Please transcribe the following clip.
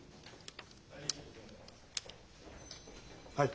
はい。